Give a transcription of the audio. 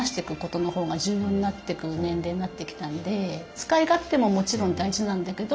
使い勝手ももちろん大事なんだけど